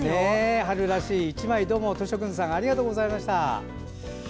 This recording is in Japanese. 春らしい一枚どうもとしょくんさんありがとうございました。